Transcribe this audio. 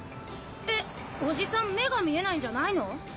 えおじさん目が見えないんじゃないの？